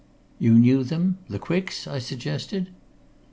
"You knew them the Quicks?" I suggested.